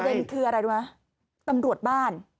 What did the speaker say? แล้วเป็นคืออะไรดูนะตำรวจบ้าน